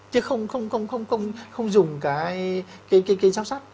chứ không dùng cái dao sắt